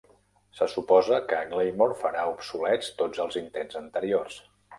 Se suposa que Glamor farà obsolets tots els intents anteriors.